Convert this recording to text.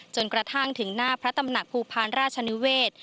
จนกระทั่งถึงหน้าพระตำหนักภูพาลราชนิเวศ